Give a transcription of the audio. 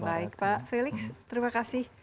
baik pak felix terima kasih